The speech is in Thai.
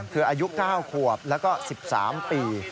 คืออายุ๙ขวบแล้วก็๑๓ปี